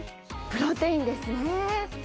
プロテインですね